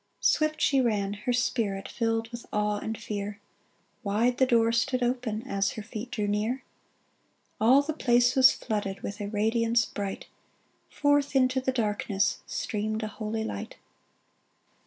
" Swift she ran, her spirit Filled with awe and fear ; Wide the door stood open As her feet drew near ! All the place was flooded With a radiance bright ; Forth into the darkness Streamed a holy light.